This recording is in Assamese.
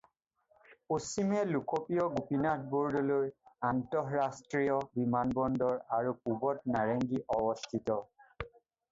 পশ্চিমে লোকপ্ৰিয় গোপীনাথ বৰদলৈ আন্তঃৰাষ্ট্ৰীয় বিমানবন্দৰ আৰু পূবত নাৰেঙ্গী অৱস্থিত।